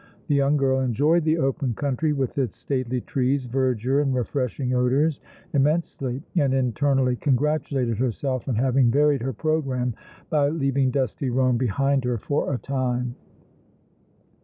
The young girl enjoyed the open country, with its stately trees, verdure and refreshing odors, immensely, and internally congratulated herself on having varied her programme by leaving dusty Rome behind her for a time.